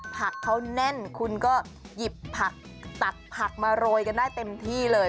ผักเขาแน่นคุณก็หยิบผักตักผักมาโรยกันได้เต็มที่เลย